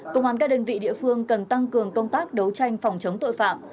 công an các đơn vị địa phương cần tăng cường công tác đấu tranh phòng chống tội phạm